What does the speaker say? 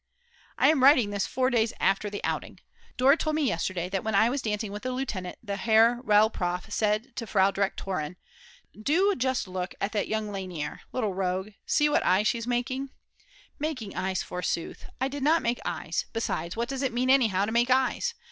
I am writing this four days after the outing. Dora told me yesterday that when I was dancing with the lieutenant the Herr Rel. Prof. said to the Frau Direktorin: "Do just look at that young Lainer; little rogue, see what eyes she's making." Making eyes, forsooth! I did not make eyes, besides, what does it mean anyhow to make eyes!!